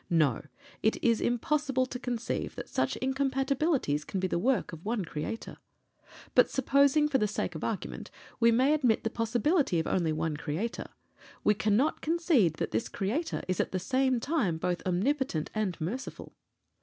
No! It is impossible to conceive that such incompatibilities can be the work of one Creator. But, supposing, for the sake of argument, we may admit the possibility of only one Creator, we cannot concede that this Creator is at the same time both omnipotent and merciful.